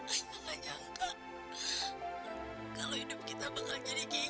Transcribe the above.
aku tak nyangka kalau hidup kita bakal jadi kayak gini kak